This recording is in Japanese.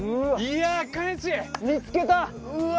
うわ。